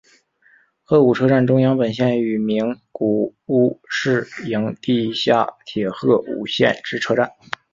鹤舞车站中央本线与名古屋市营地下铁鹤舞线之车站。